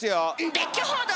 別居報道！